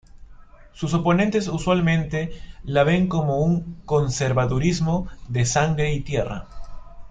Sus oponentes usualmente la ven como un conservadurismo de "sangre y tierra".